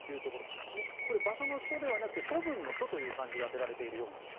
これ、場所の所ではなくて処分の処という漢字が当てられているようです。